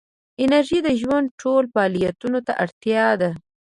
انرژي د ژوند ټولو فعالیتونو ته اړتیا ده.